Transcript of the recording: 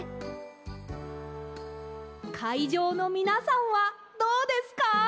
かいじょうのみなさんはどうですか？